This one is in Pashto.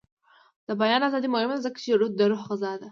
د بیان ازادي مهمه ده ځکه چې د روح غذا ده.